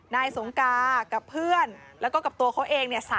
นายสงกากับเพื่อนแล้วก็กับตัวเขาเองเนี่ย